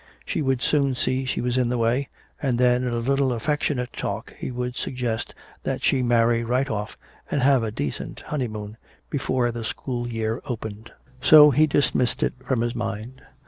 She would soon see she was in the way, and then in a little affectionate talk he would suggest that she marry right off and have a decent honeymoon before the school year opened. So he dismissed it from his mind.